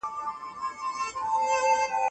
رانجه پخوا له معدني موادو جوړېده.